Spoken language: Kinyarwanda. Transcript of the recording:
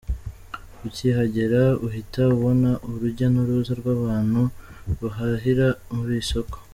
Ukihagera uhita ubona urujya n’uruza rw’abantu bahahira muri iri soko.